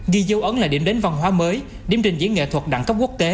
ghi dấu ấn là điểm đến văn hóa mới điểm trình diễn nghệ thuật đẳng cấp quốc tế